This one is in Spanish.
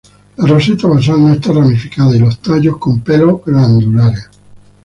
La roseta basal no está ramificada y los tallos con pelos glandulares.